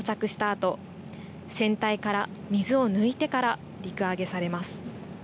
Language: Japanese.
あと船体から水を抜いてから陸揚げされます。